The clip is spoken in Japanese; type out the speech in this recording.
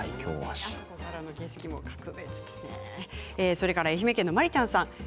それから愛媛県の方です。